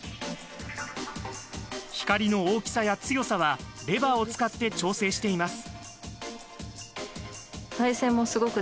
光の大きさや強さはレバーを使って調整しています。